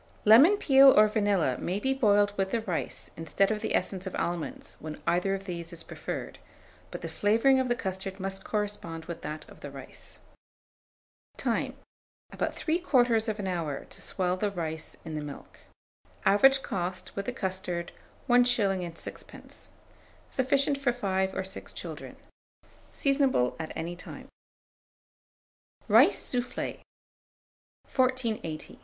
Lemon peel or vanilla may be boiled with the rice instead of the essence of almonds, when either of these is preferred; but the flavouring of the custard must correspond with that of the rice. Time. About 3/4 hour to swell the rice in the milk. Average cost, with the custard, 1s. 6d. Sufficient for 5 or 6 children. Seasonable at any time. RICE SOUFFLE.